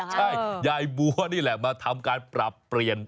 ใช่ยายบัวนี่แหละมาทำการปรับเปลี่ยน